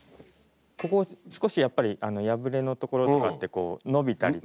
ここ少しやっぱり破れの所とかってこう伸びたりとか。